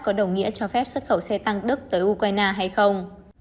có đồng nghĩa cho phép xuất khẩu xe tăng đức tới ukraine hay không